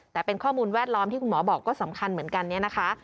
แต่เป็นข้อมูลแวดล้อมที่คุณหมอบอกก็สำคัญเหมือนกันเนี่ยนะคะ